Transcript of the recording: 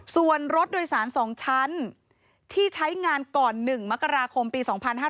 ส่วนรถโดยสาร๒ชั้นที่ใช้งานก่อน๑มกราคมปี๒๕๕๙